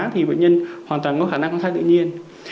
thì bệnh nhân hoàn toàn có khả năng thay tự nhiên